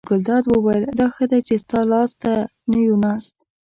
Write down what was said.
ګلداد وویل: دا ښه دی چې ستا لاس ته نه یو ناست.